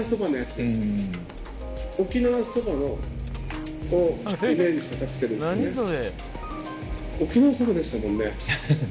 沖縄そばをイメージしたカクテルですね。